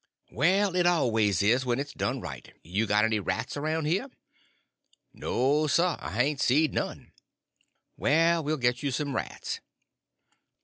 "Well, it always is when it's done right. You got any rats around here?" "No, sah, I hain't seed none." "Well, we'll get you some rats."